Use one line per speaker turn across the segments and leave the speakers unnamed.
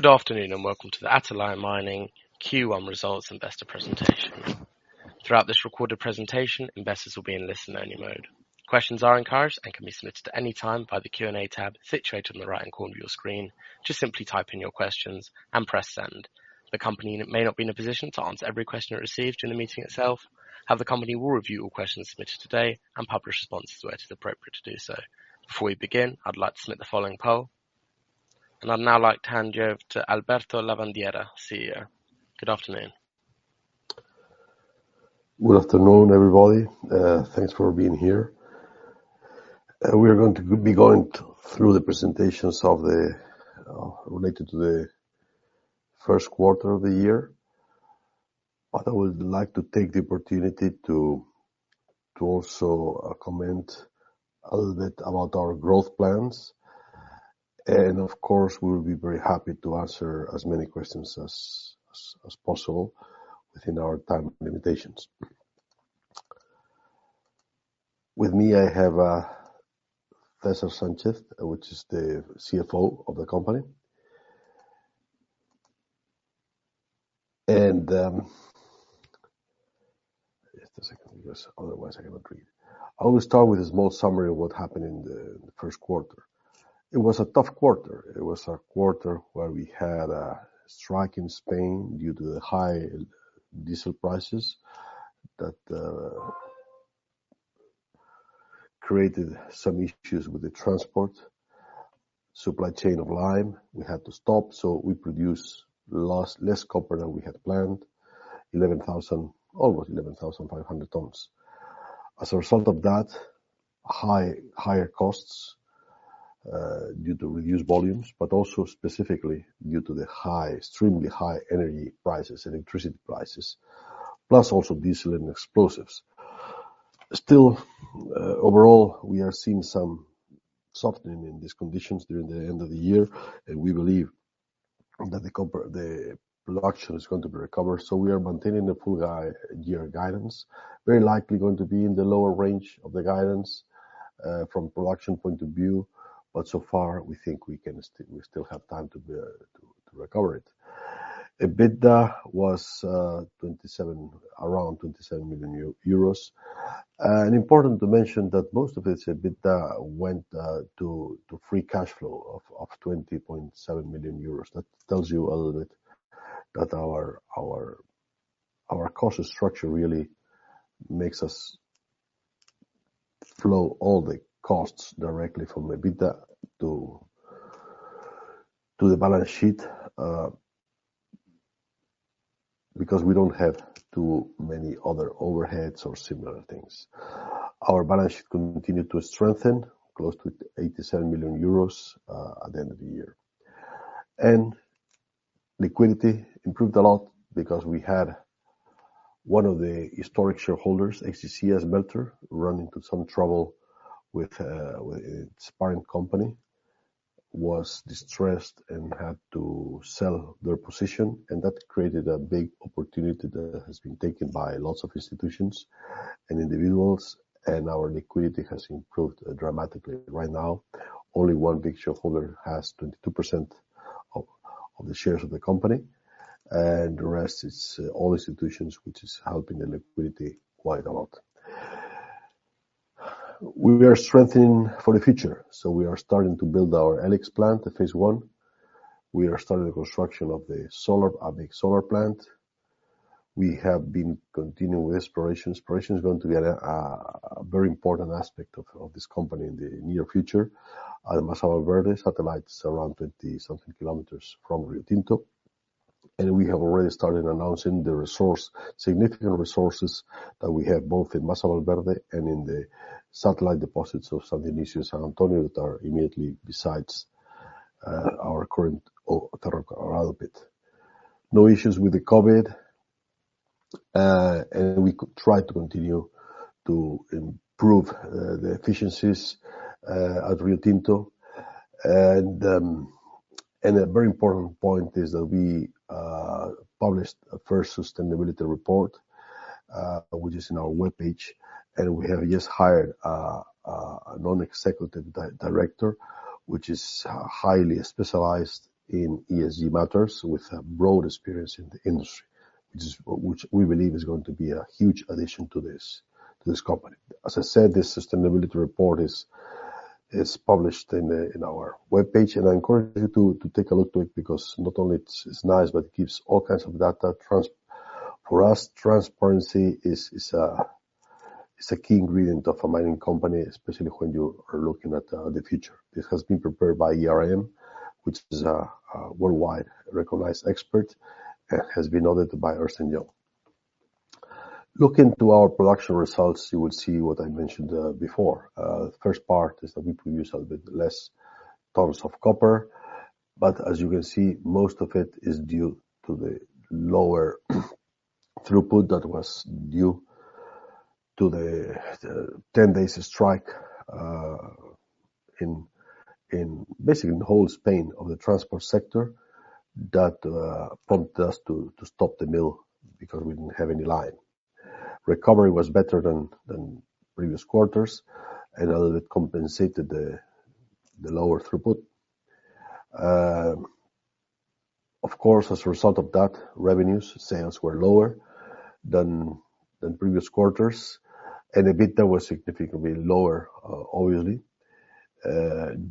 Good afternoon and welcome to the Atalaya Mining Q1 Results Investor Presentation. Throughout this recorded presentation, investors will be in listen-only mode. Questions are encouraged and can be submitted at any time via the Q&A tab situated on the right-hand corner of your screen. Just simply type in your questions and press send. The company may not be in a position to answer every question it receives during the meeting itself. However, the company will review all questions submitted today and publish responses where it is appropriate to do so. Before we begin, I'd like to submit the following poll. I'd now like to hand you over to Alberto Lavandeira, CEO. Good afternoon.
Good afternoon, everybody. Thanks for being here. We are going to be going through the presentations of the related to the first quarter of the year. I would like to take the opportunity to also comment a little bit about our growth plans. Of course, we will be very happy to answer as many questions as possible within our time limitations. With me, I have César Sánchez, which is the CFO of the company. Just a second, because otherwise I cannot read. I will start with a small summary of what happened in the first quarter. It was a tough quarter. It was a quarter where we had a strike in Spain due to the high diesel prices that created some issues with the transport supply chain of lime. We had to stop, so we produced less copper than we had planned. 11,000–11,500 tonnes. As a result of that, higher costs due to reduced volumes, but also specifically due to the high, extremely high energy prices, electricity prices, plus also diesel and explosives. Overall, we are seeing some softening in these conditions during the end of the year, and we believe that the copper, the production is going to be recovered. We are maintaining the full year guidance. Very likely going to be in the lower range of the guidance from production point of view, but so far we think we can still, we still have time to recover it. EBITDA was around 27 million euros. Important to mention that most of this EBITDA went to free cash flow of 20.7 million euros. That tells you a little bit that our cost structure really makes us flow all the costs directly from the EBITDA to the balance sheet because we don't have too many other overheads or similar things. Our balance sheet continued to strengthen, close to 87 million euros at the end of the year. Liquidity improved a lot because we had one of the historic shareholders, XGC Melter, run into some trouble with its parent company, was distressed and had to sell their position. That created a big opportunity that has been taken by lots of institutions and individuals, and our liquidity has improved dramatically. Right now, only one big shareholder has 22% of the shares of the company, and the rest is all institutions, which is helping the liquidity quite a lot. We are strengthening for the future, so we are starting to build our E-LIX plant, phase one. We are starting the construction of the solar, a big solar plant. We have been continuing exploration. Exploration is going to be a very important aspect of this company in the near future. At the Masa Valverde satellite, it's around 20-something kilometers from Riotinto, and we have already started announcing the resource, significant resources that we have both in Masa Valverde and in the satellite deposits of San Dionisio and San Antonio that are immediately beside our current open pit. No issues with the COVID. We could try to continue to improve the efficiencies at Riotinto. A very important point is that we published our first sustainability report, which is on our web page. We have just hired a non-executive director, which is highly specialized in ESG matters with a broad experience in the industry, which we believe is going to be a huge addition to this company. As I said, this sustainability report is published on our web page, and I encourage you to take a look at it because not only it's nice, but it gives all kinds of data. For us, transparency is a key ingredient of a mining company, especially when you are looking at the future. This has been prepared by ERM, which is a worldwide recognized expert, and has been audited by Ernst & Young. Looking at our production results, you will see what I mentioned before. The first part is that we produce a bit less tonnes of copper, but as you can see, most of it is due to the lower throughput that was due to the 10-day strike in basically the whole Spain of the transport sector that prompted us to stop the mill because we didn't have any line. Recovery was better than previous quarters and a little bit compensated the lower throughput. Of course, as a result of that, revenues, sales were lower than previous quarters. EBITDA was significantly lower, obviously,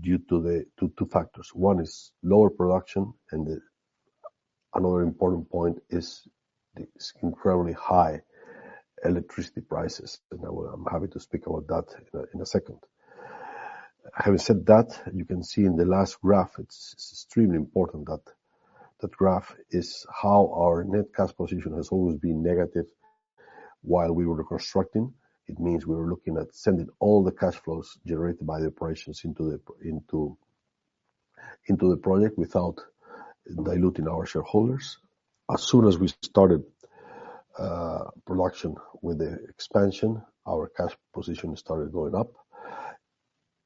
due to the two factors. One is lower production and the Another important point is the incredibly high electricity prices, and I'm happy to speak about that in a second. Having said that, you can see in the last graph it's extremely important that that graph is how our net cash position has always been negative while we were constructing. It means we were looking at sending all the cash flows generated by the operations into the project without diluting our shareholders. As soon as we started production with the expansion, our cash position started going up.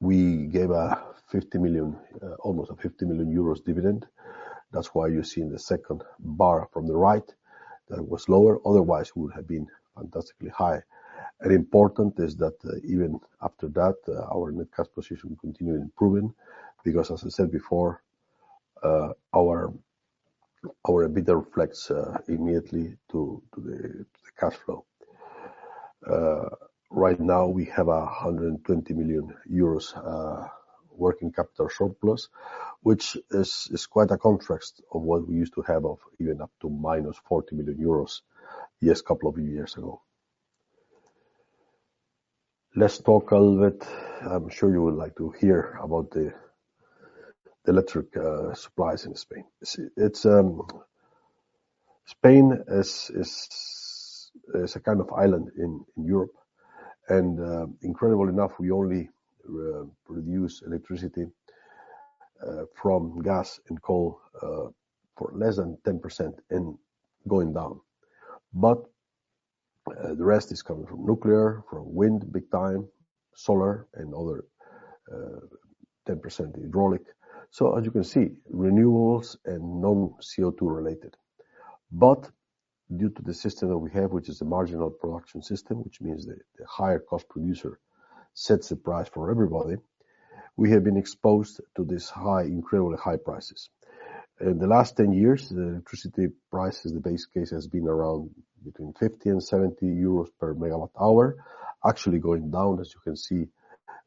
We gave a 50 million, almost 50 million euros dividend. That's why you see in the second bar from the right that it was lower, otherwise it would have been fantastically high. Important is that even after that, our net cash position continued improving because as I said before, our EBITDA reflects immediately to the cash flow. Right now we have 120 million euros working capital surplus, which is quite a contrast of what we used to have of even up to -40 million euros just a couple of years ago. Let's talk a little bit. I'm sure you would like to hear about the electricity supplies in Spain. See, it's Spain is a kind of island in Europe. Incredibly enough, we only produce electricity from gas and coal for less than 10% and going down. The rest is coming from nuclear, from wind, big time, solar and other 10% hydro. As you can see, renewables and non CO₂ related. Due to the system that we have, which is a marginal production system, which means the higher cost producer sets the price for everybody, we have been exposed to these high, incredibly high prices. In the last 10 years, the electricity prices, the base case has been around between 50–70 euros per MWh. Actually going down, as you can see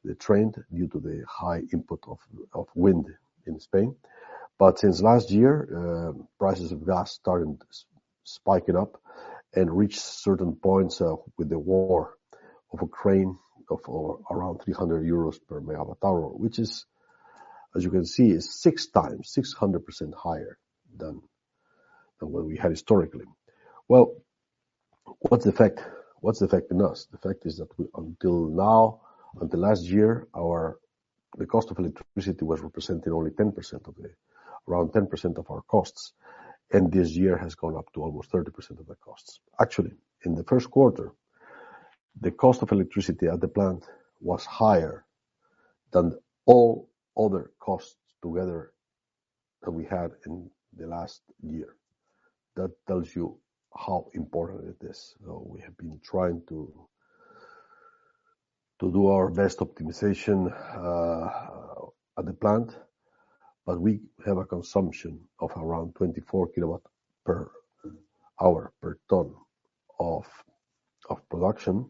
the trend due to the high input of wind in Spain. Since last year, prices of gas started spiking up and reached certain points, with the war of Ukraine of around 300 euros per MWh, which is, as you can see, 6x, 600% higher than what we had historically. What's affecting us? The fact is that until now, until last year, the cost of electricity was representing only around 10% of our costs, and this year has gone up to almost 30% of the costs. Actually, in the first quarter, the cost of electricity at the plant was higher than all other costs together that we had in the last year. That tells you how important it is. We have been trying to do our best optimization at the plant, but we have a consumption of around 24 kWh per tonne of production,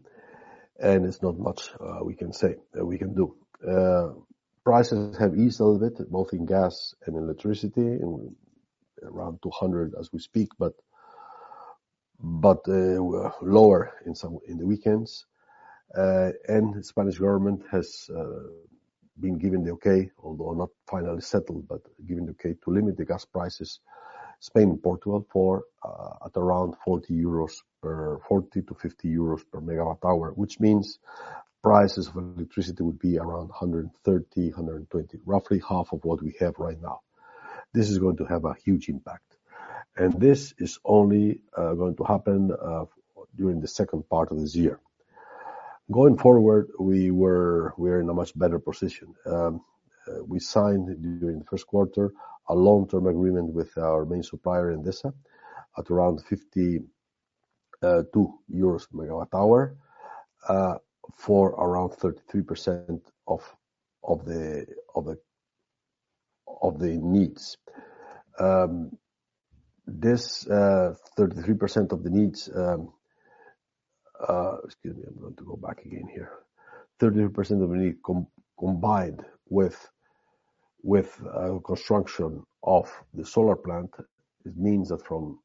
and it's not much we can do. Prices have eased a little bit, both in gas and electricity, and around 200 per MWh as we speak, but lower in the weekends. Spanish government has been given the okay, although not finally settled, but given the okay to limit the gas prices, Spain and Portugal for at around EUR 40–50 euros per MWh, which means prices for electricity would be around 120–130, roughly half of what we have right now. This is going to have a huge impact. This is only going to happen during the second part of this year. Going forward, we are in a much better position. We signed during the first quarter a long-term agreement with our main supplier, Endesa, at around 52 euros per MWh for around 33% of the needs. 33% of the need combined with construction of the solar plant, it means that from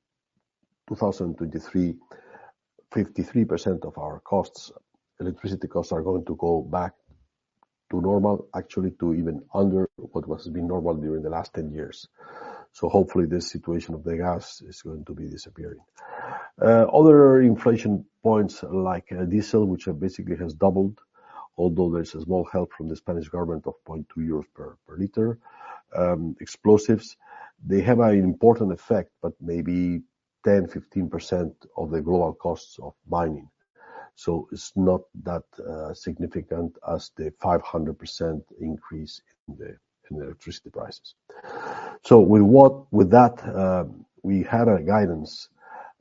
2023, 53% of our electricity costs are going to go back to normal, actually to even under what has been normal during the last 10 years. Hopefully this situation of the gas is going to be disappearing. Other inflation points like diesel, which have basically has doubled, although there is a small help from the Spanish government of 0.2 euros per liter. Explosives, they have an important effect, but maybe 10%-15% of the global costs of mining. It's not that significant as the 500% increase in the electricity prices. With that, we had a guidance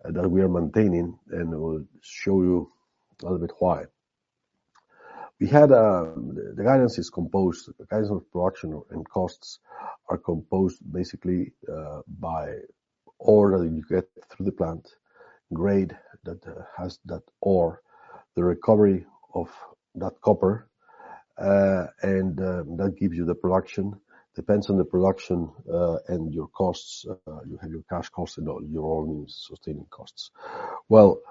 that we are maintaining, and we'll show you a little bit why. We had the guidance is composed. The guidance of production and costs are composed basically by ore that you get through the plant, grade that has that ore, the recovery of that copper, and that gives you the production. Depends on the production and your costs. You have your cash costs and your all-in sustaining costs. Well,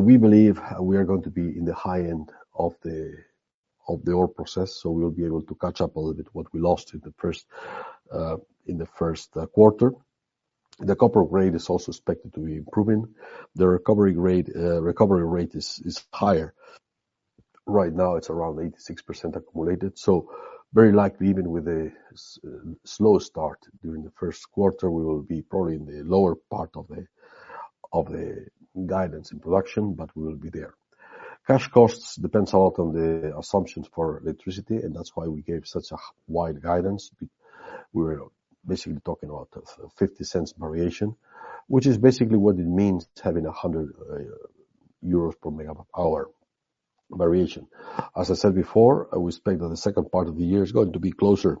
we believe we are going to be in the high end of the ore process, so we'll be able to catch up a little bit what we lost in the first quarter. The copper grade is also expected to be improving. The recovery rate is higher. Right now it's around 86% accumulated. Very likely, even with a slow start during the first quarter, we will be probably in the lower part of the guidance and production, but we will be there. Cash costs depend a lot on the assumptions for electricity, and that's why we gave such a wide guidance. We're basically talking about $0.50 variation, which is basically what it means having a 100 euros per MWh variation. As I said before, we expect that the second part of the year is going to be closer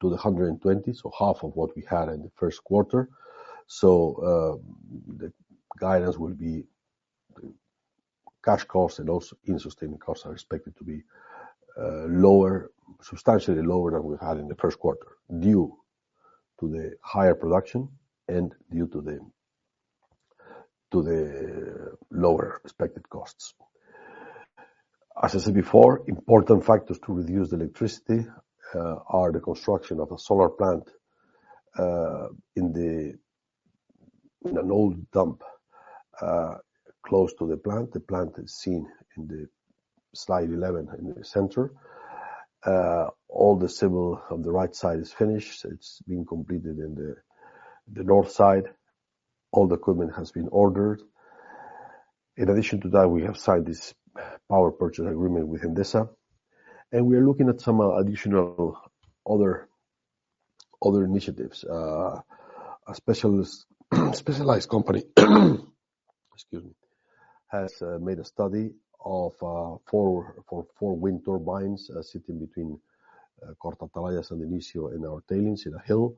to the 120, so half of what we had in the first quarter. The guidance will be. Cash costs and also all-in sustaining costs are expected to be lower, substantially lower than we had in the first quarter due to the higher production and due to the lower expected costs. As I said before, important factors to reduce the electricity are the construction of a solar plant in an old dump close to the plant. The plant is seen in the slide 11 in the center. All the civil on the right side is finished. It's been completed in the north side. All the equipment has been ordered. In addition to that, we have signed this power purchase agreement with Endesa, and we are looking at some additional other initiatives. A specialized company has made a study of four wind turbines sitting between Corta Atalaya, San Dionisio in our tailings, in a hill.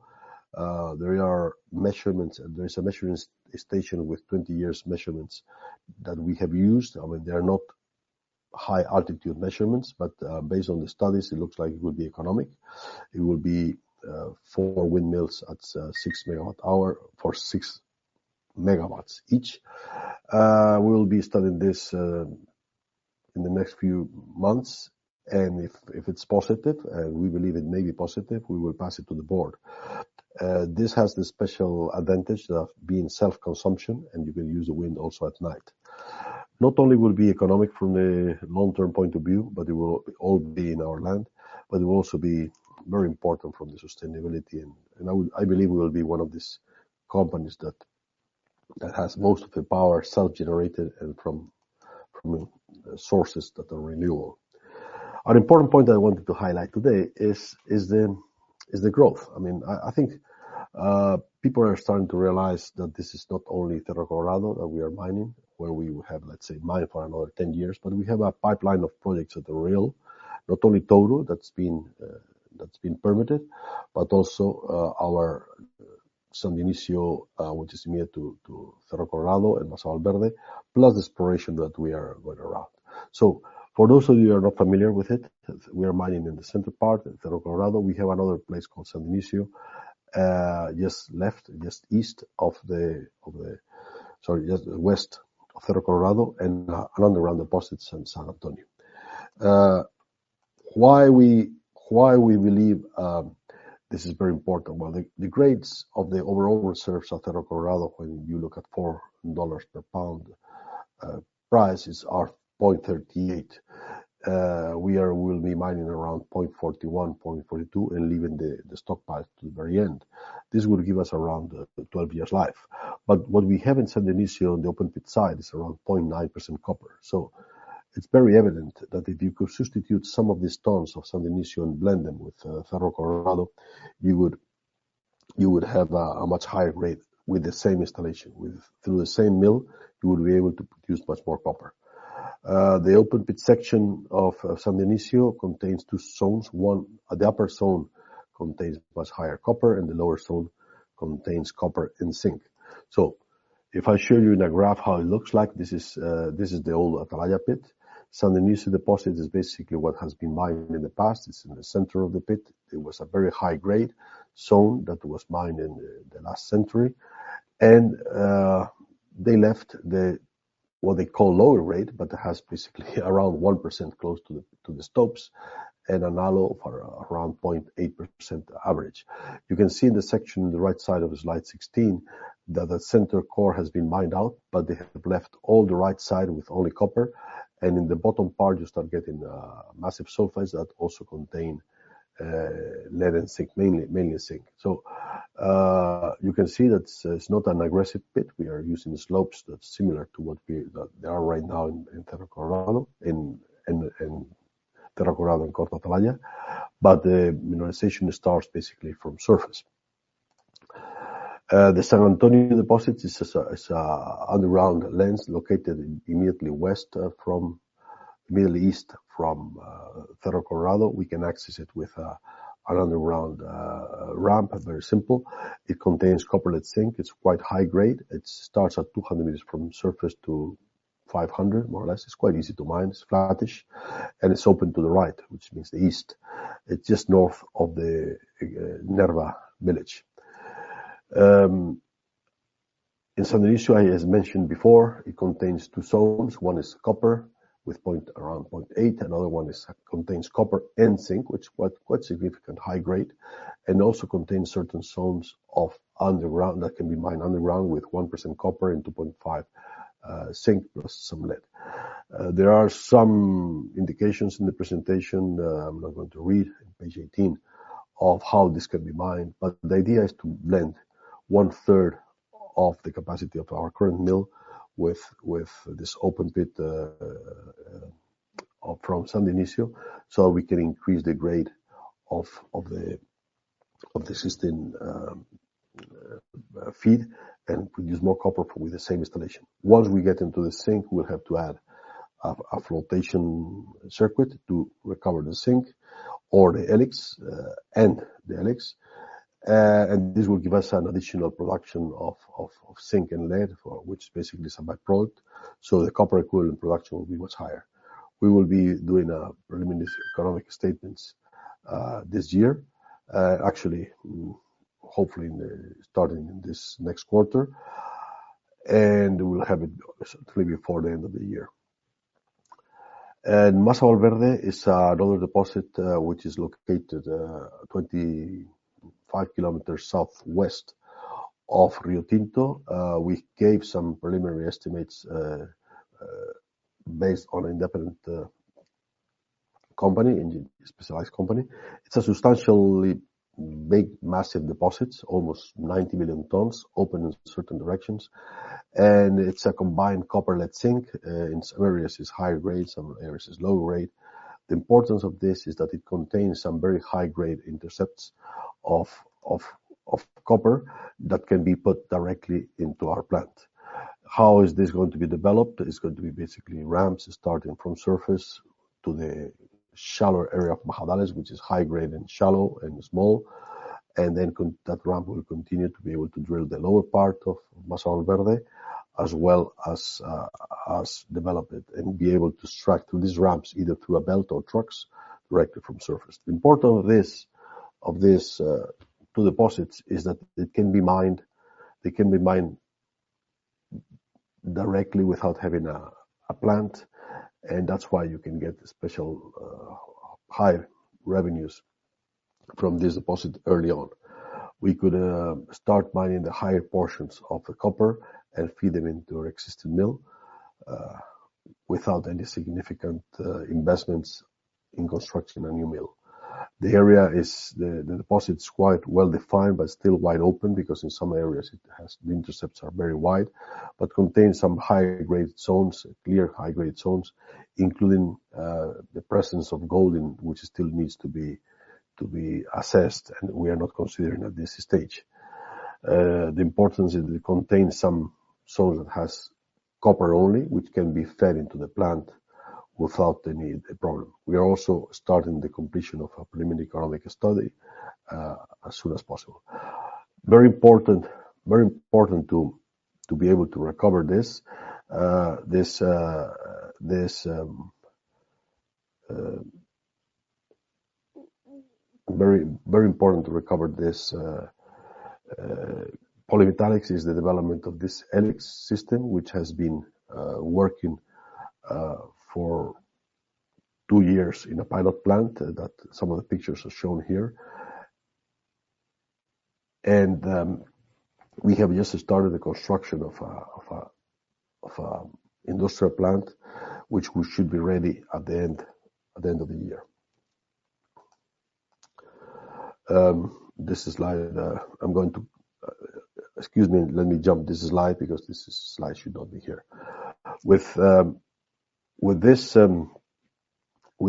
There are measurements. There is a measurement station with 20 years measurements that we have used. I mean, they are not high altitude measurements, but based on the studies, it looks like it would be economic. It will be four windmills at 6 MWh for 6 MW each. We'll be studying this in the next few months and if it's positive, and we believe it may be positive, we will pass it to the board. This has the special advantage of being self-consumption, and you can use the wind also at night. Not only will be economic from a long-term point of view, but it will all be in our land, but it will also be very important from the sustainability end. I believe we will be one of these companies that has most of the power self-generated and from sources that are renewable. An important point that I wanted to highlight today is the growth. I mean, I think people are starting to realize that this is not only Cerro Colorado that we are mining, where we will have, let's say, mine for another 10 years, but we have a pipeline of projects that are real. Not only Touro that's been permitted, but also our San Dionisio, which is near to Cerro Colorado and Masa Valverde, plus exploration that we are going around. For those of you who are not familiar with it, we are mining in the central part at Cerro Colorado. We have another place called San Dionisio just west of Cerro Colorado and around the deposits in San Antonio. Why we believe this is very important. Well, the grades of the overall reserves of Cerro Colorado, when you look at $4 per pound prices are 0.38%. We'll be mining around 0.41%–0.42% and leaving the stockpile to the very end. This will give us around 12 years life. What we have in San Dionisio on the open pit side is around 0.9% copper. It's very evident that if you could substitute some of these tonnes of San Dionisio and blend them with Cerro Colorado, you would have a much higher grade with the same installation. Through the same mill, you would be able to produce much more copper. The open pit section of San Dionisio contains two zones. The upper zone contains much higher copper and the lower zone contains copper and zinc. If I show you in a graph how it looks like, this is the old Atalaya pit. San Dionisio deposit is basically what has been mined in the past. It's in the center of the pit. It was a very high-grade zone that was mined in the last century. They left what they call lower grade, but it has basically around 1% close to the stopes and another for around 0.8% average. You can see in the section on the right side of the Slide 16 that the center core has been mined out, but they have left all the right side with only copper. In the bottom part, you start getting massive sulfides that also contain lead and zinc, mainly zinc. You can see it's not an aggressive pit. We are using slopes that's similar to what there are right now in Cerro Colorado in Corta Atalaya. The mineralization starts basically from surface. The San Antonio deposit is underground lens located immediately west from Cerro Colorado. We can access it with an underground ramp. Very simple. It contains copper and zinc. It's quite high grade. It starts at 200 meters from surface to 500 meters, more or less. It's quite easy to mine. It's flattish, and it's open to the right, which means the east. It's just north of the Nerva village. In San Dionisio, as mentioned before, it contains two zones. One is copper with around 0.8. Another one contains copper and zinc, which quite significant high grade, and also contains certain zones of underground that can be mined underground with 1% copper and 2.5% zinc, plus some lead. There are some indications in the presentation, I'm not going to read, page 18, of how this can be mined, but the idea is to blend one-third of the capacity of our current mill with this open pit from San Dionisio, so we can increase the grade of the existing feed, and produce more copper with the same installation. Once we get into the zinc, we'll have to add a flotation circuit to recover the zinc or the E-LIX. This will give us an additional production of zinc and lead for which basically is a by-product, so the copper equivalent production will be much higher. We will be doing preliminary economic assessment this year. Actually, hopefully starting this next quarter, and we'll have it certainly before the end of the year. Masa Valverde is another deposit which is located 25 kilometers southwest of Riotinto. We gave some preliminary estimates based on independent engineering specialized company. It's a substantially big massive deposit, almost 90 million tonnes, open in certain directions. It's a combined copper lead zinc. In some areas is high grade, some areas is low grade. The importance of this is that it contains some very high-grade intercepts of copper that can be put directly into our plant. How is this going to be developed? It's going to be basically ramps starting from surface to the shallow area of Majadales, which is high grade and shallow and small. That ramp will continue to be able to drill the lower part of Masa Valverde as well as as developed and be able to strike through these ramps, either through a belt or trucks directly from surface. The importance of these two deposits is that it can be mined. They can be mined directly without having a plant, and that's why you can get special higher revenues from this deposit early on. We could start mining the higher portions of the copper and feed them into our existing mill without any significant investments in constructing a new mill. The deposit is quite well-defined but still wide open because in some areas the intercepts are very wide but contains some clear high-grade zones, including the presence of gold which still needs to be assessed, and we are not considering at this stage. The importance is it contains some zones that has copper only, which can be fed into the plant without any problem. We are also starting the completion of a preliminary economic study as soon as possible. Very important to be able to recover this. Very important to recover these polymetallics is the development of this E-LIX system, which has been working for two years in a pilot plant that some of the pictures are shown here. We have just started the construction of an industrial plant, which we should be ready at the end of the year. This slide, excuse me, let me jump this slide because this slide should not be here. With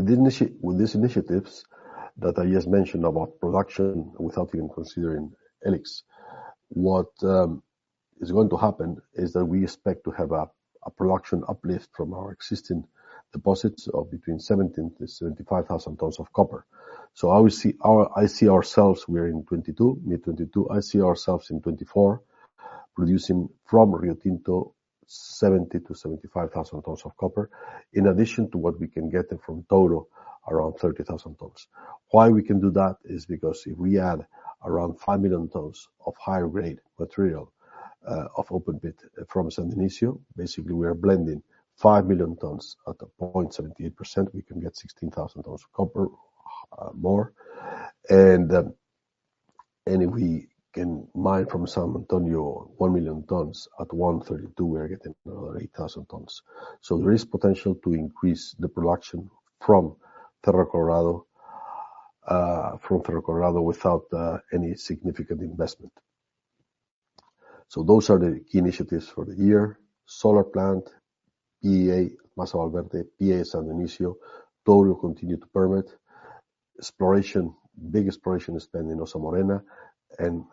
these initiatives that I just mentioned about production, without even considering E-LIX, what is going to happen is that we expect to have a production uplift from our existing deposits of between 70,000–75,000 tonnes of copper. I see ourselves, we are in 2022, mid-2022. I see ourselves in 2024 producing from Riotinto 70,000-75,000 tonnes of copper, in addition to what we can get in from Touro, around 30,000 tonnes. Why we can do that is because if we add around 5 million tonnes of high-grade material, of open pit from San Dionisio, basically we are blending 5 million tonnes at 0.78%. We can get 16,000 tonnes of copper more. And if we can mine from San Antonio 1 million tonnes at 1.32%, we are getting another 8,000 tonnes. There is potential to increase the production from Cerro Colorado without any significant investment. Those are the key initiatives for the year. Solar plant, PEA Masa Valverde, PEA San Dionisio, Touro continue to permit. Exploration. Big exploration is spent in Ossa-Morena and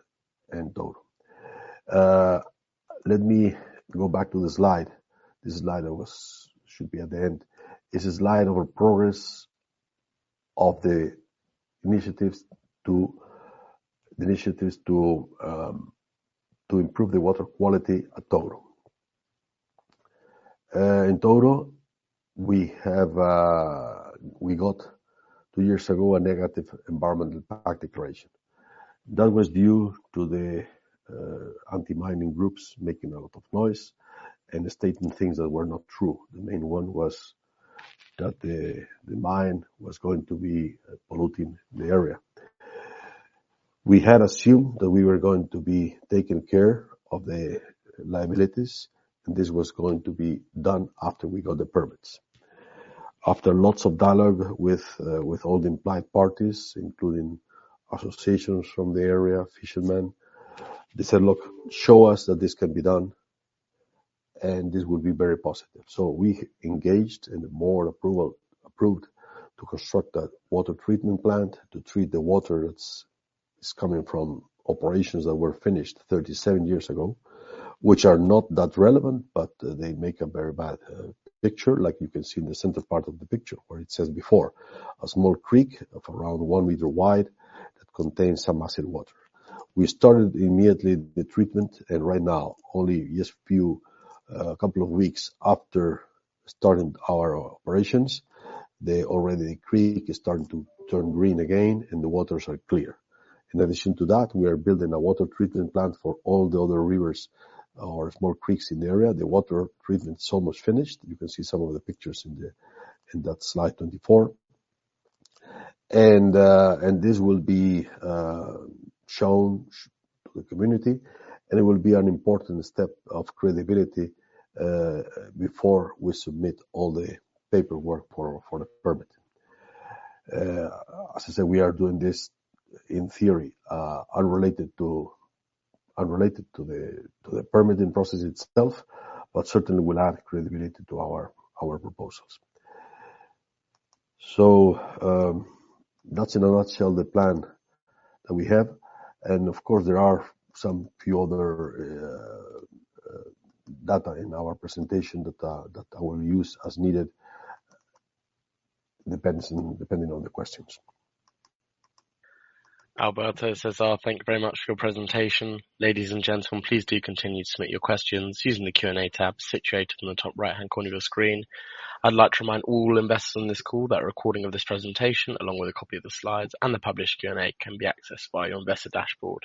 Touro. Let me go back to the slide. This slide that was should be at the end. This is slide of our progress of the initiatives to improve the water quality at Touro. In Touro, we got two years ago a negative environmental impact declaration. That was due to the anti-mining groups making a lot of noise and stating things that were not true. The main one was that the mine was going to be polluting the area. We had assumed that we were going to be taking care of the liabilities, and this was going to be done after we got the permits. After lots of dialogue with all the involved parties, including associations from the area, fishermen, they said, "Look, show us that this can be done and this would be very positive." We engaged and more approval approved to construct a water treatment plant to treat the water that's coming from operations that were finished 37 years ago, which are not that relevant, but they make a very bad picture like you can see in the center part of the picture where it says before. A small creek of around one meter wide that contains some acid water. We started immediately the treatment, and right now, only a few, a couple of weeks after starting our operations, the creek is starting to turn green again and the waters are clear. In addition to that, we are building a water treatment plant for all the other rivers or small creeks in the area. The water treatment is almost finished. You can see some of the pictures in Slide 24. This will be shown to the community, and it will be an important step of credibility before we submit all the paperwork for the permit. As I said, we are doing this in theory unrelated to the permitting process itself, but certainly will add credibility to our proposals. That's in a nutshell the plan that we have, and of course there are some few other data in our presentation that I will use as needed depending on the questions.
Alberto, César, thank you very much for your presentation. Ladies and gentlemen, please do continue to submit your questions using the Q&A tab situated on the top right-hand corner of your screen. I'd like to remind all investors on this call that a recording of this presentation, along with a copy of the slides and the published Q&A, can be accessed via your investor dashboard.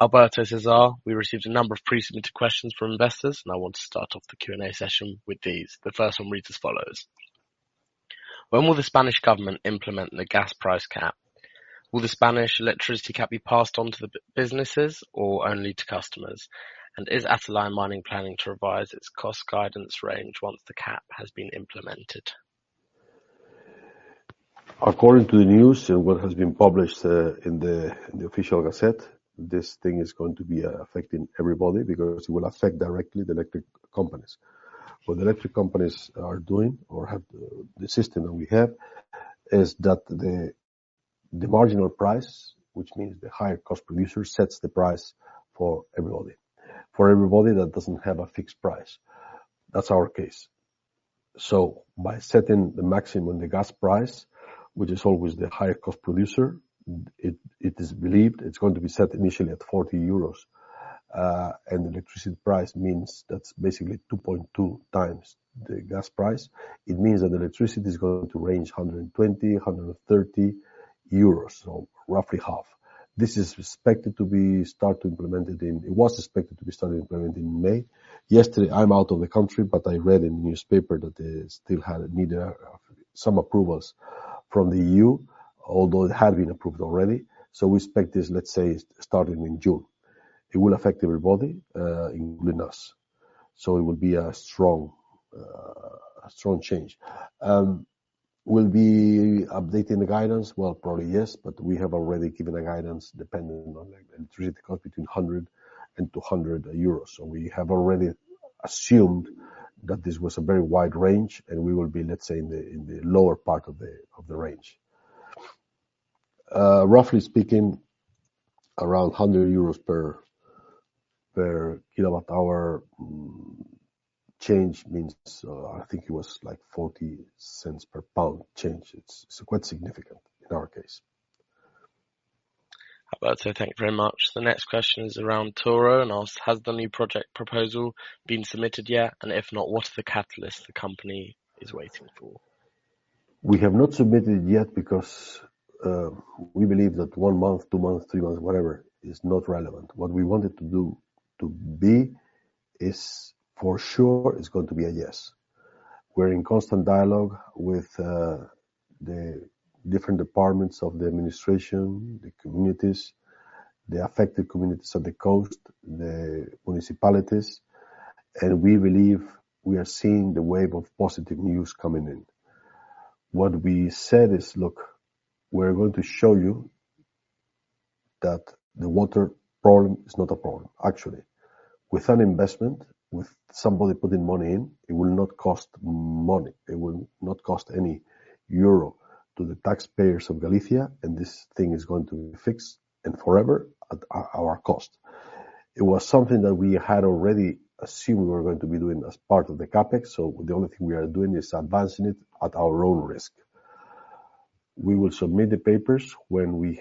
Alberto, César, we received a number of pre-submitted questions from investors, and I want to start off the Q&A session with these. The first one reads as follows: When will the Spanish government implement the gas price cap? Will the Spanish electricity cap be passed on to the businesses or only to customers? Is Atalaya Mining planning to revise its cost guidance range once the cap has been implemented?
According to the news and what has been published in the official gazette, this thing is going to be affecting everybody because it will affect directly the electric companies. What the electric companies are doing or have the system that we have is that the marginal price, which means the higher cost producer, sets the price for everybody. For everybody that doesn't have a fixed price. That's our case. By setting the maximum the gas price, which is always the higher cost producer, it is believed it's going to be set initially at 40 euros. And the electricity price means that's basically 2.2x the gas price. It means that the electricity is going to range 120-130 euros. Roughly half. This is expected to be start to implemented in. It was expected to be started, implemented in May. Yesterday, I'm out of the country, but I read in the newspaper that they still needed some approvals from the EU, although it had been approved already. We expect this, let's say, starting in June. It will affect everybody, including us. It will be a strong change. We'll be updating the guidance. Probably yes, but we have already given a guidance dependent on the electricity cost between 100–200 euros per MWh. We have already assumed that this was a very wide range and we will be, let's say, in the lower part of the range. Roughly speaking around 100 euros per kWh, change means, I think it was like $0.40 per pound change. It's quite significant in our case.
Alberto, thank you very much. The next question is around Touro and asks: Has the new project proposal been submitted yet? And if not, what's the catalyst the company is waiting for?
We have not submitted it yet because we believe that one to three months, whatever, is not relevant. What we wanted to do is to be sure it's going to be a yes. We're in constant dialogue with the different departments of the administration, the communities, the affected communities of the coast, the municipalities, and we believe we are seeing the wave of positive news coming in. What we said is, "Look, we're going to show you that the water problem is not a problem. Actually, with an investment, with somebody putting money in, it will not cost money. It will not cost any euro to the taxpayers of Galicia, and this thing is going to be fixed forever at our cost. It was something that we had already assumed we were going to be doing as part of the CapEx, so the only thing we are doing is advancing it at our own risk. We will submit the papers when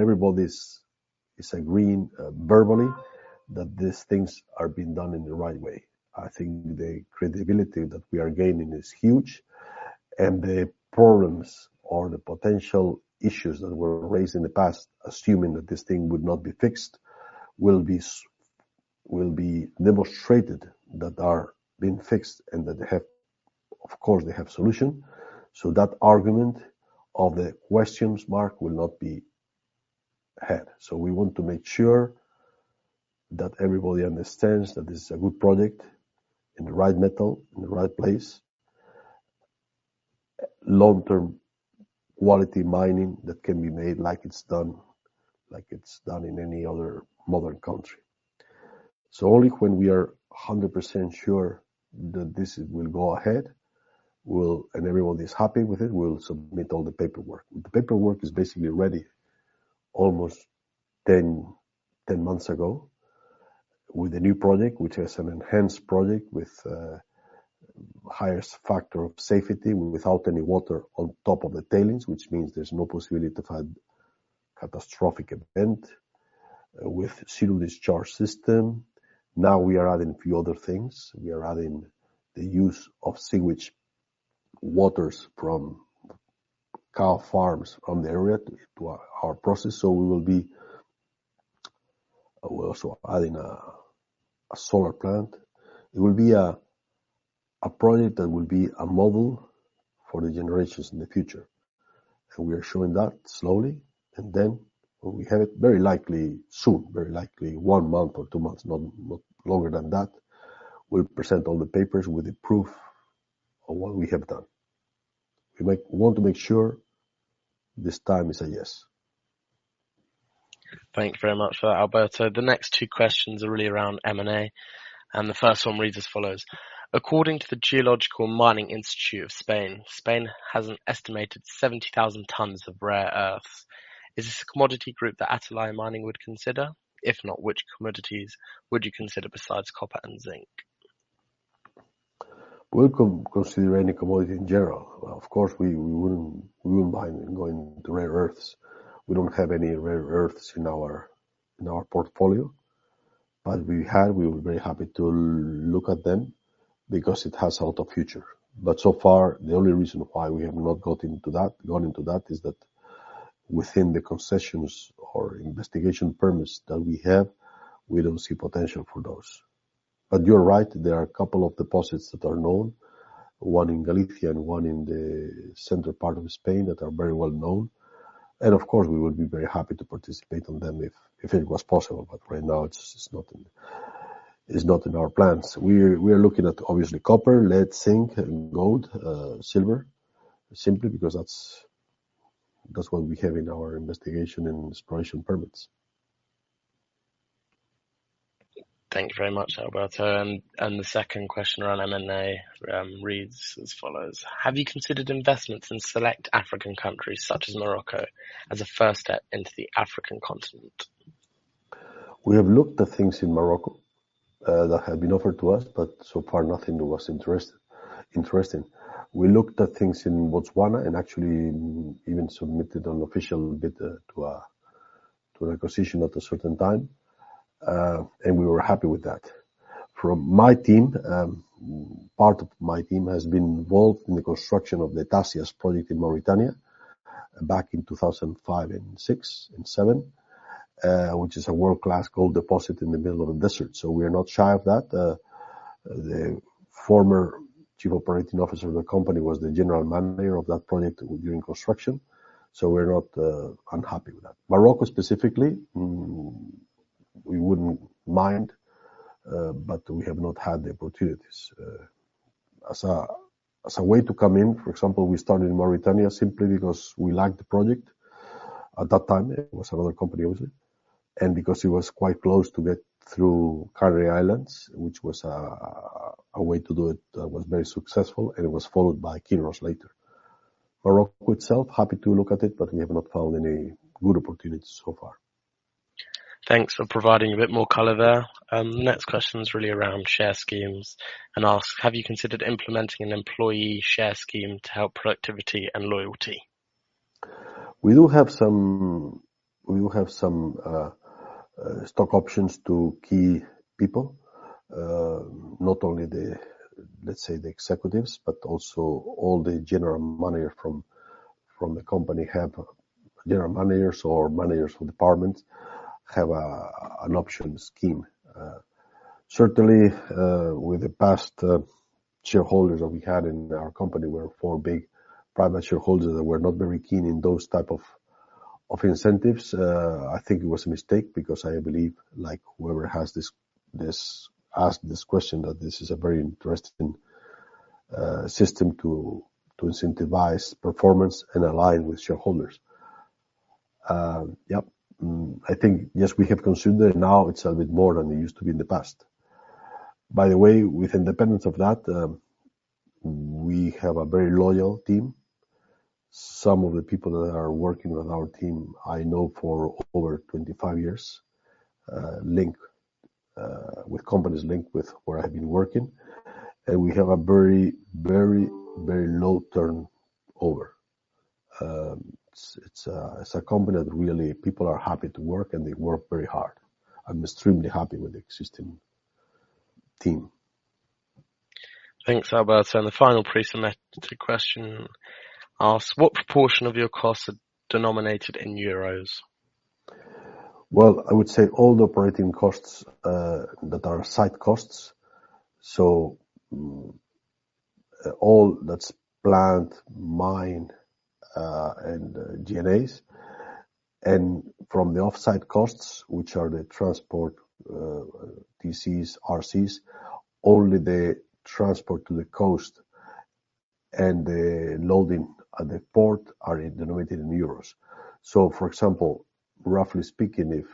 everybody is agreeing verbally that these things are being done in the right way. I think the credibility that we are gaining is huge, and the problems or the potential issues that were raised in the past, assuming that this thing would not be fixed, will be demonstrated that they are being fixed and that they have solution. Of course, they have solution. That argument of the question mark will not be had. We want to make sure that everybody understands that this is a good project in the right metal, in the right place. Long-term quality mining that can be made like it's done in any other modern country. Only when we are 100% sure that this will go ahead and everyone is happy with it, we'll submit all the paperwork. The paperwork is basically ready almost 10 months ago with a new project, which is an enhanced project with highest factor of safety without any water on top of the tailings, which means there's no possibility to a catastrophic event with zero-discharge system. Now we are adding a few other things. We are adding the use of sewage water from cow farms from the area to our process. We will be we're also adding a solar plant. It will be a project that will be a model for the generations. We are showing that slowly. When we have it very likely soon, very likely one to two months, not longer than that, we'll present all the papers with the proof of what we have done. We want to make sure this time is a yes.
Thank you very much for that, Alberto. The next two questions are really around M&A, and the first one reads as follows: According to the Geological and Mining Institute of Spain has an estimated 70,000 tonnes of rare earths. Is this a commodity group that Atalaya Mining would consider? If not, which commodities would you consider besides copper and zinc?
We'll consider any commodity in general. Of course, we wouldn't mind going to rare earths. We don't have any rare earths in our portfolio, but if we had, we would be very happy to look at them because it has a lot of future. So far, the only reason why we have not gone into that is that within the concessions or exploration permits that we have, we don't see potential for those. You're right, there are a couple of deposits that are known, one in Galicia and one in the central part of Spain that are very well known. Of course, we would be very happy to participate on them if it was possible, but right now, it's just not in our plans. We're looking at obviously copper, lead, zinc and gold, silver, simply because that's what we have in our investigation and exploration permits.
Thank you very much, Alberto. The second question around M&A reads as follows: Have you considered investments in select African countries such as Morocco as a first step into the African continent?
We have looked at things in Morocco that have been offered to us, but so far nothing was interesting. We looked at things in Botswana and actually even submitted an official bid to an acquisition at a certain time. We were happy with that. From my team, part of my team has been involved in the construction of the Tasiast project in Mauritania back in 2005-2007, which is a world-class gold deposit in the middle of the desert. We are not shy of that. The former chief operating officer of the company was the general manager of that project during construction. We're not unhappy with that. Morocco specifically, we wouldn't mind, but we have not had the opportunities. As a way to come in, for example, we started in Mauritania simply because we liked the project. At that time, it was another company, wasn't it? Because it was quite close to get through Canary Islands, which was a way to do it that was very successful, and it was followed by Kinross later. Morocco itself, happy to look at it, but we have not found any good opportunities so far.
Thanks for providing a bit more color there. Next question is really around share schemes and asks: Have you considered implementing an employee share scheme to help productivity and loyalty?
We do have some stock options to key people. Not only the, let's say, the executives, but also all the general managers from the company or managers from departments have an option scheme. Certainly, with the past shareholders that we had in our company were four big private shareholders that were not very keen in those type of incentives. I think it was a mistake because I believe like whoever has asked this question that this is a very interesting system to incentivize performance and align with shareholders. Yep. I think, yes, we have considered it. Now it's a bit more than it used to be in the past. By the way, with independence of that, we have a very loyal team. Some of the people that are working on our team, I know for over 25 years, with companies linked with where I've been working. We have a very low turnover. It's a company that really people are happy to work, and they work very hard. I'm extremely happy with the existing team.
Thanks, Alberto. The final pre-submitted question asks, "What proportion of your costs are denominated in euros?
Well, I would say all the operating costs that are site costs. All that's plant, mine, and G&A. From the offsite costs, which are the transport, TCs, RCs, only the transport to the coast and the loading at the port are denominated in euros. For example, roughly speaking,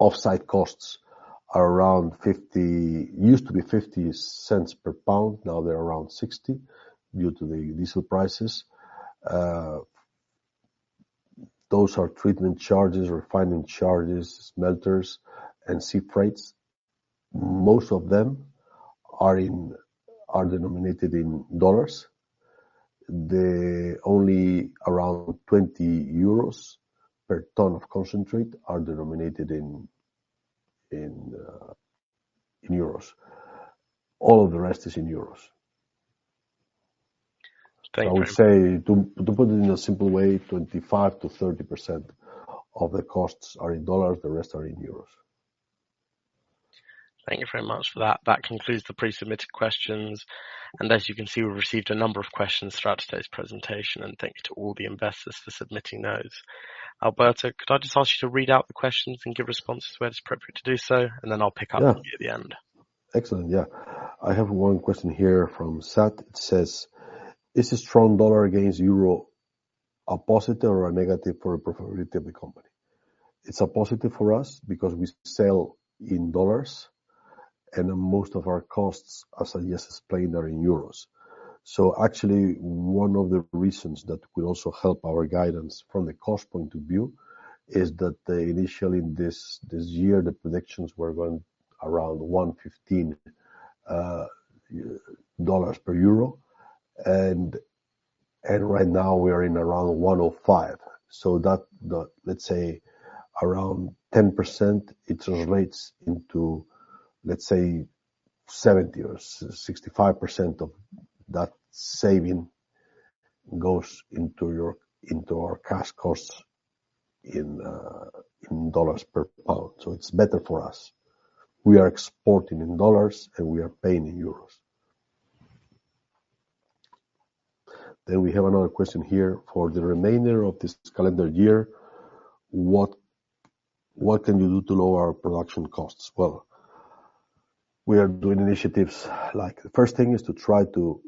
offsite costs are around 50, used to be $0.50 per pound, now they're around $0.60 per pound due to the diesel prices. Those are treatment charges, refining charges, smelters, and sea freights. Most of them are denominated in dollars. Only around 20 euros per tonne of concentrate are denominated in euros. All of the rest is in euros.
Thank you.
I would say, to put it in a simple way, 25%-30% of the costs are in dollars, the rest are in euros.
Thank you very much for that. That concludes the pre-submitted questions. As you can see, we've received a number of questions throughout today's presentation. Thank you to all the investors for submitting those. Alberto, could I just ask you to read out the questions and give responses where it's appropriate to do so, and then I'll pick up with you at the end.
Excellent. Yeah. I have one question here from Sat. It says, "Is a strong dollar against euro a positive or a negative for profitability of the company?" It's a positive for us because we sell in dollars, and most of our costs, as I just explained, are in euros. Actually, one of the reasons that will also help our guidance from the cost point of view is that initially this year the predictions were going around $1.15 per euro. Right now we are in around $1.05 per euro. That, let's say around 10%, it translates into, let's say 65%–70% of that saving goes into our cash costs in dollars per pound. It's better for us. We are exporting in dollars, and we are paying in euros. We have another question here. For the remainder of this calendar year, what can you do to lower our production costs?" Well, we are doing initiatives like the first thing is to try to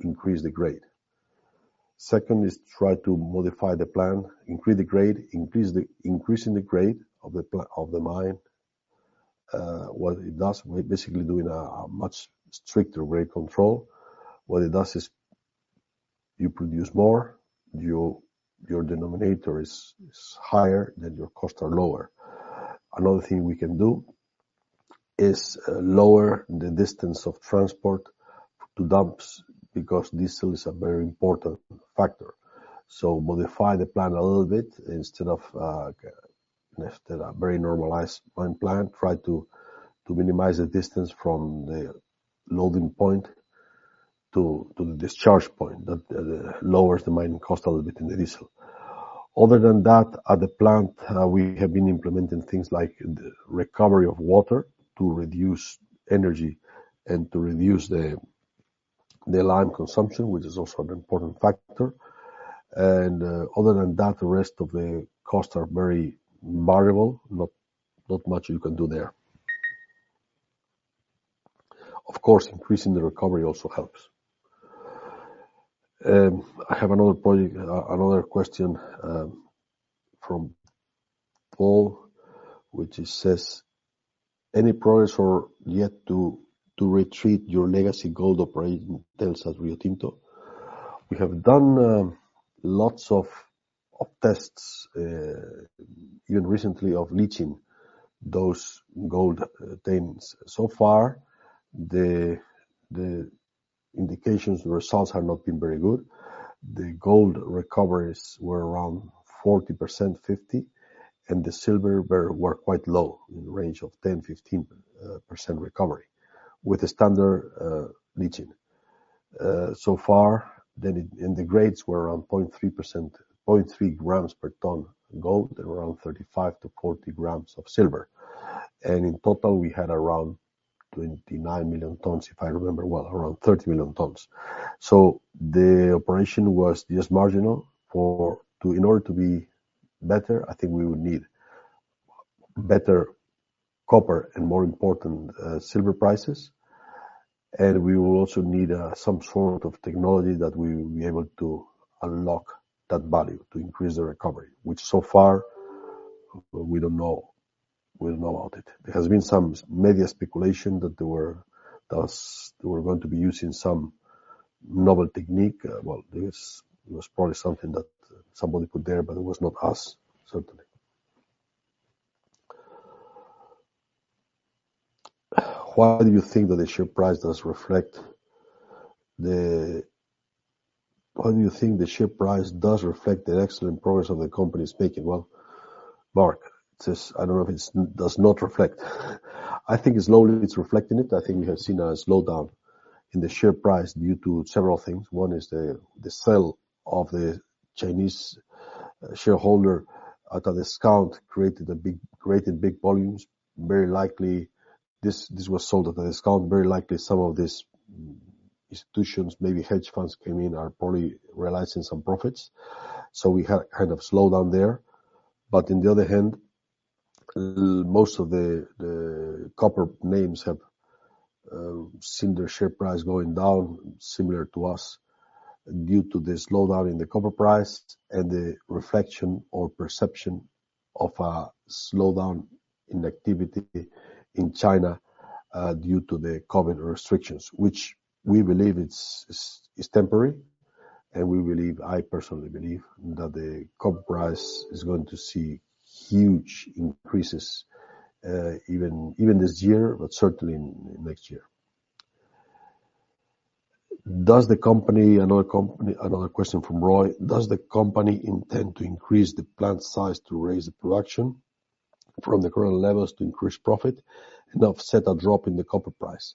increase the grade. Second is to try to modify the plan, increase the grade. Increasing the grade of the mine, what it does, we're basically doing a much stricter grade control. What it does is you produce more, your denominator is higher, then your costs are lower. Another thing we can do is lower the distance of transport to dumps because diesel is a very important factor. Modify the plan a little bit instead of a very normalized mine plan, try to minimize the distance from the loading point to the discharge point. That lowers the mining cost a little bit in the diesel. Other than that, at the plant, we have been implementing things like the recovery of water to reduce energy and to reduce the lime consumption, which is also an important factor. Other than that, the rest of the costs are very variable. Not much you can do there. Of course, increasing the recovery also helps. I have another question from Paul, which it says, "Any progress yet to retreat your legacy gold operation tailings at Riotinto?" We have done lots of tests even recently of leaching those gold tailings. So far, the initial results have not been very good. The gold recoveries were around 40%-50%, and the silver were quite low in the range of 10%-15% recovery with the standard leaching. So far, the grades were around 0.3%—0.3 grams per tonne gold and around 35-40 grams of silver. In total, we had around 29 million tonnes, if I remember well, around 30 million tonnes. The operation was just marginal. In order to be better, I think we would need better copper and more important, silver prices. We will also need some sort of technology that we will be able to unlock that value to increase the recovery, which so far we don't know. We don't know about it. There has been some media speculation that they were going to be using some novel technique. Well, this was probably something that somebody put there, but it was not us, certainly. Why do you think that the share price does reflect the... Why do you think the share price does reflect the excellent progress that the company is making? Well, Mark says, "I don't know if it does not reflect." I think slowly it's reflecting it. I think we have seen a slowdown in the share price due to several things. One is the sale of the Chinese shareholder at a discount created big volumes. Very likely this was sold at a discount. Very likely some of these institutions, maybe hedge funds came in, are probably realizing some profits. So we had a kind of slowdown there. But on the other hand, most of the copper names have seen their share price going down similar to us due to the slowdown in the copper price and the reflection or perception of a slowdown in activity in China due to the COVID restrictions. Which we believe is temporary, and we believe, I personally believe that the copper price is going to see huge increases, even this year, but certainly next year. Another question from Roy: Does the company intend to increase the plant size to raise the production from the current levels to increase profit and offset a drop in the copper price?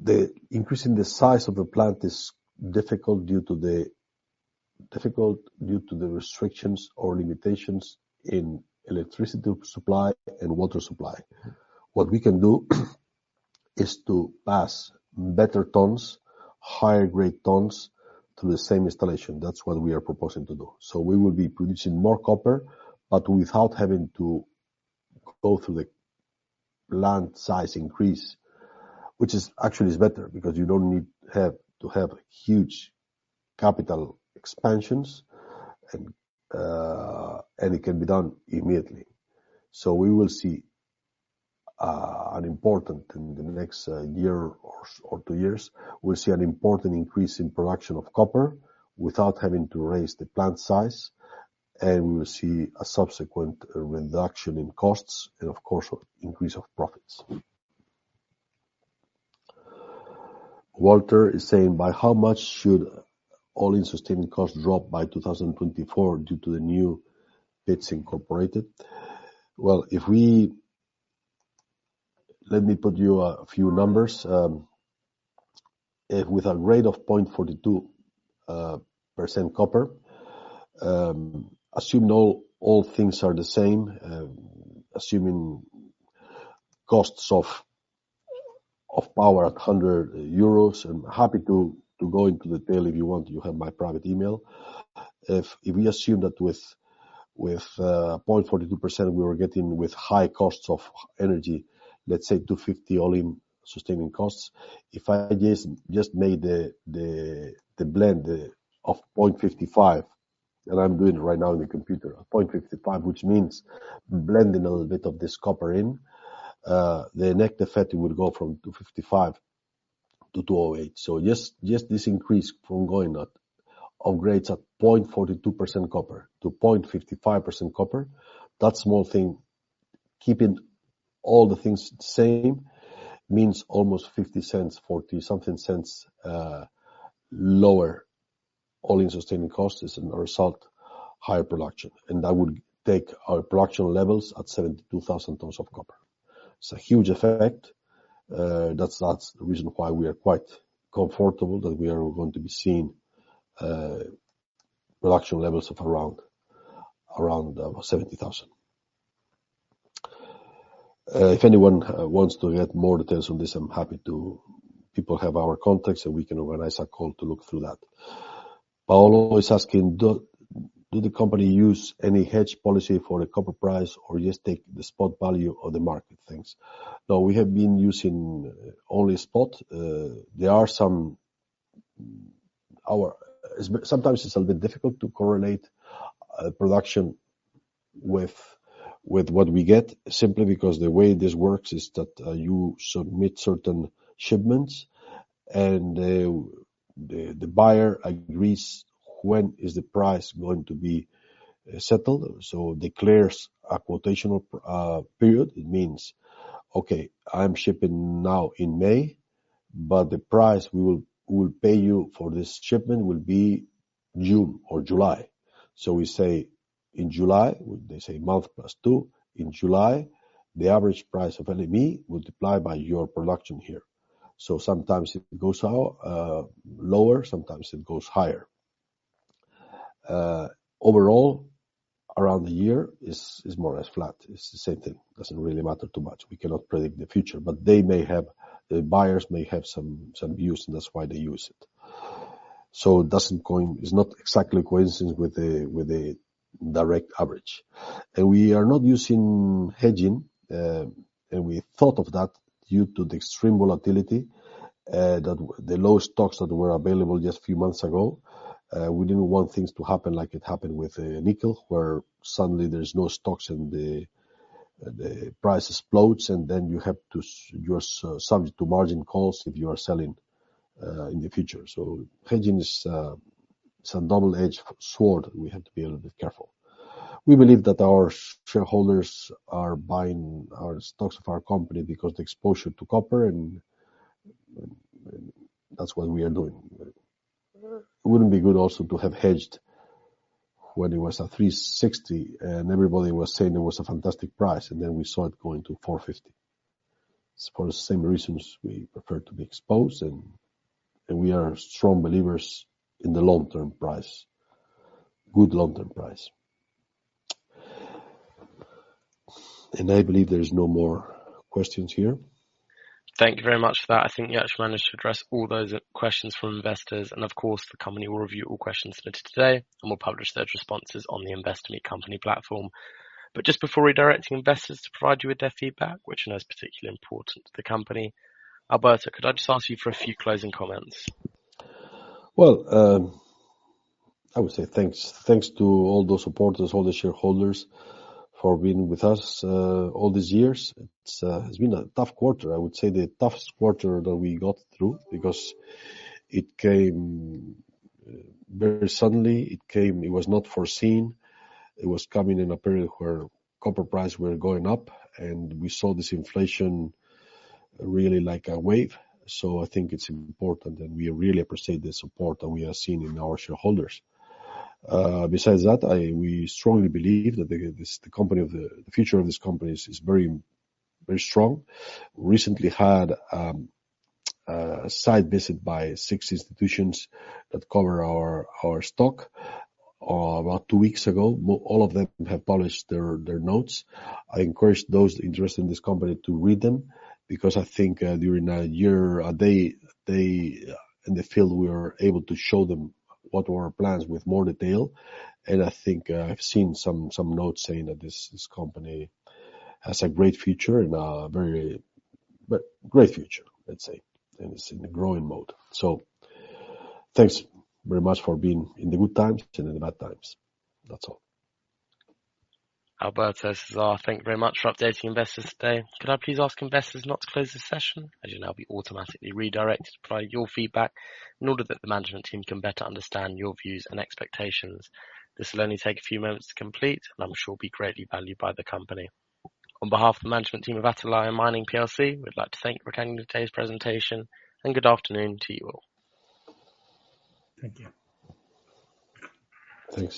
The increase in the size of the plant is difficult due to the restrictions or limitations in electricity supply and water supply. What we can do is to pass better tons, higher grade tons through the same installation. That's what we are proposing to do. We will be producing more copper, but without having to go through the plant size increase, which is actually better because you don't need to have huge capital expansions and it can be done immediately. We will see an important increase in the next year or two years. We'll see an important increase in production of copper without having to raise the plant size, and we will see a subsequent reduction in costs and of course increase of profits. Walter is saying, "By how much should all-in sustaining costs drop by 2024 due to the new pits incorporated?" Well, let me put you a few numbers. With a grade of 0.42% copper, assume all things are the same, assuming costs of power at 100 euros per MWh and happy to go into the detail if you want. You have my private email. If we assume that with 0.42% We were getting with high costs of energy, let's say 250 all-in sustaining costs. If I just made the blend of 0.55%, and I'm doing right now in the computer. 0.55, which means blending a little bit of this copper in, the net effect will go from 255 to 208. Just this increase from going of grades at 0.42% copper to 0.55% copper. That small thing, keeping all the things the same, means almost 50 cents, 40-something cents lower all-in sustaining costs, as a result, higher production. That would take our production levels at 72,000 tonnes of copper. It's a huge effect. That's the reason why we are quite comfortable that we are going to be seeing production levels of around 70,000 tonnes. If anyone wants to get more details on this, I'm happy to. People have our contacts, and we can organize a call to look through that. Paolo is asking, "Does the company use any hedge policy for the copper price or just take the spot value of the market things?" No, we have been using only spot. There are some. Sometimes it's a little bit difficult to correlate production with what we get simply because the way this works is that you submit certain shipments and the buyer agrees when is the price going to be settled. Declares a quotational period. It means, "Okay, I'm shipping now in May, but the price we will pay you for this shipment will be June or July." We say in July, they say month plus two. In July, the average price of LME will multiply by your production here. Sometimes it goes out lower, sometimes it goes higher. Overall, around the year is more or less flat. It's the same thing. Doesn't really matter too much. We cannot predict the future, but the buyers may have some use, and that's why they use it. It's not exactly coincidence with the direct average. We are not using hedging, and we thought of that due to the extreme volatility that the low stocks that were available just a few months ago, we didn't want things to happen like it happened with nickel, where suddenly there's no stocks and the price explodes, and then you are subject to margin calls if you are selling in the future. Hedging is a double-edged sword. We have to be a little bit careful. We believe that our shareholders are buying our stocks of our company because the exposure to copper and that's what we are doing. It wouldn't be good also to have hedged when it was at $3.60 and everybody was saying it was a fantastic price, and then we saw it going to $4.50. For the same reasons, we prefer to be exposed, and we are strong believers in the long-term price. Good long-term price. I believe there is no more questions here.
Thank you very much for that. I think you actually managed to address all those questions from investors. Of course, the company will review all questions submitted today and will publish their responses on the Investor Meet Company platform. Just before redirecting investors to provide you with their feedback, which I know is particularly important to the company, Alberto, could I just ask you for a few closing comments?
Well, I would say thanks. Thanks to all the supporters, all the shareholders for being with us all these years. It's been a tough quarter. I would say the toughest quarter that we got through because it came very suddenly. It came. It was not foreseen. It was coming in a period where copper price were going up, and we saw this inflation really like a wave. I think it's important, and we really appreciate the support that we are seeing in our shareholders. Besides that, we strongly believe that the future of this company is very, very strong. Recently had a site visit by six institutions that cover our stock about two weeks ago. All of them have published their notes. I encourage those interested in this company to read them because I think during a year they in the field we are able to show them what were our plans with more detail. I think I've seen some notes saying that this company has a great future, let's say, and it's in a growing mode. Thanks very much for being in the good times and in the bad times. That's all.
Alberto, César, thank you very much for updating investors today. Could I please ask investors not to close this session, as you'll now be automatically redirected to provide your feedback in order that the management team can better understand your views and expectations. This will only take a few moments to complete, and I'm sure will be greatly valued by the company. On behalf of the management team of Atalaya Mining PLC, we'd like to thank you for attending today's presentation, and good afternoon to you all.
Thank you. Thanks.